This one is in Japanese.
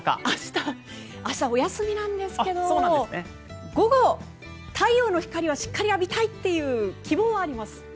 明日、お休みなんですけど午後、太陽の光はしっかり浴びたいという希望はあります。